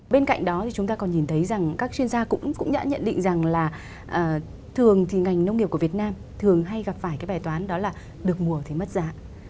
bên cạnh đó thì chúng ta còn nhìn thấy rằng các chuyên gia cũng đã nhận định rằng là thường thì ngành nông nghiệp của việt nam thường hay gặp phải cái bài toán đó là được mùa thì mất giá